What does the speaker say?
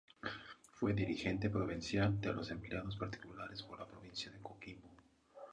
Fue dirigente provincial de los Empleados Particulares por la provincia de Coquimbo.